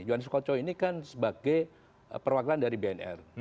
yohanes koco ini kan sebagai perwakilan dari bnr